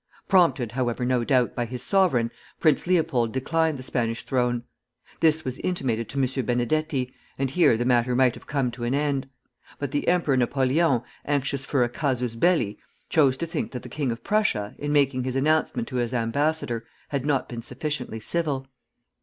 Prompted, however, no doubt, by his sovereign, Prince Leopold declined the Spanish throne. This was intimated to M. Benedetti, and here the matter might have come to an end. But the Emperor Napoleon, anxious for a casus belli, chose to think that the king of Prussia, in making his announcement to his ambassador, had not been sufficiently civil.